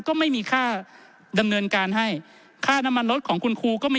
ก็ไม่มีค่าดำเนินการให้ค่าน้ำมันรถของคุณครูก็ไม่